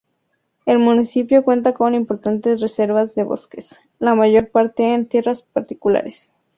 El municipio cuenta con importantes reservas de bosques, la mayor parte en tierras particulares.